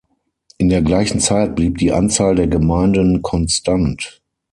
In der gleichen Zeit blieb die Anzahl der Gemeinden konstant.